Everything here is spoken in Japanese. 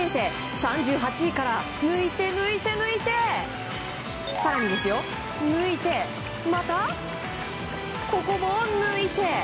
３８位から抜いて抜いて抜いて更に抜いてここも抜いて。